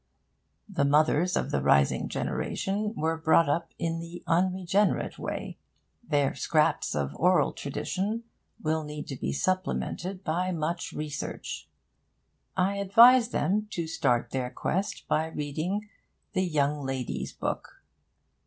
The mothers of the rising generation were brought up in the unregenerate way. Their scraps of oral tradition will need to be supplemented by much research. I advise them to start their quest by reading The Young Lady's Book.